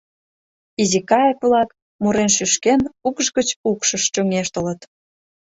Изи кайык-влак, мурен-шӱшкен, укш гыч укшыш чоҥештылыт.